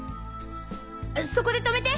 そこで止めて！